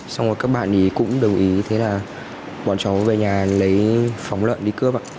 xong rồi các bạn cũng đồng ý thế là bọn cháu về nhà lấy phóng lợn đi cướp ạ